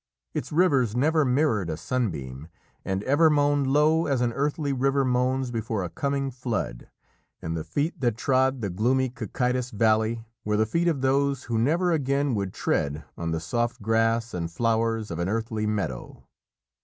Its rivers never mirrored a sunbeam, and ever moaned low as an earthly river moans before a coming flood, and the feet that trod the gloomy Cocytus valley were the feet of those who never again would tread on the soft grass and flowers of an earthly meadow.